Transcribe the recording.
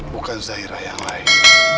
bukan zahira yang lain